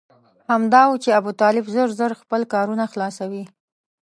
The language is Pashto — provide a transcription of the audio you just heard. همدا و چې ابوطالب ژر ژر خپل کارونه خلاصوي.